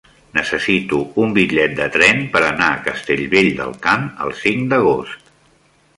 Necessito un bitllet de tren per anar a Castellvell del Camp el cinc d'agost.